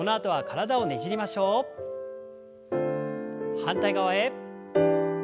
反対側へ。